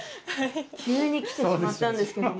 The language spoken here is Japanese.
急に来てしまったんですけども。